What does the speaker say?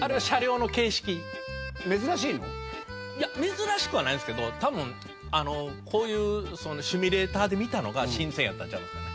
珍しくはないですけど多分こういうシミュレーターで見たのが新鮮やったんちゃいますかね。